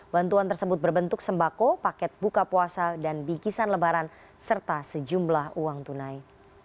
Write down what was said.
bantuan tersebut berbentuk sembako paket buka puasa dan bikisan lebaran serta sejumlah uang tunai